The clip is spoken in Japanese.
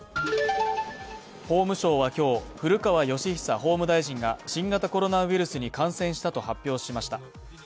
法務省は今日、古川禎久法務大臣が新型コロナウイルスに感染したと発表しました。